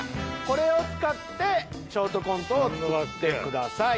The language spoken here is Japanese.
これを使ってショートコントを作ってください。